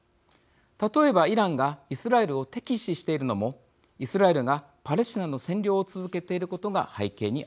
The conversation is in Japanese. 例えばイランがイスラエルを敵視しているのもイスラエルがパレスチナの占領を続けていることが背景にあります。